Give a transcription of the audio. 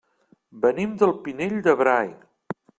Venim del Pinell de Brai.